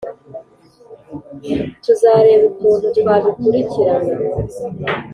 Tuzareba ukuntu twabikurikirana